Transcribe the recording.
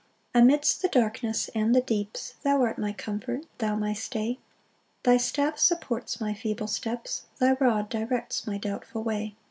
5 Amidst the darkness and the deeps Thou art my comfort, thou my stay; Thy staff supports my feeble steps, Thy rod directs my doubtful way.